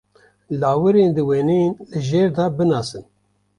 Lawirên di wêneyên li jêr de binasin.